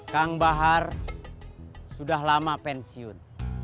kang bahar sudah lama pensiun